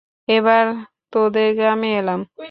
এবার তোদের গ্রামে এলাম।